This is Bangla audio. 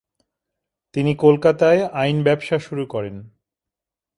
তিনি কলকাতায় আইন ব্যবসা শুরু করেন ।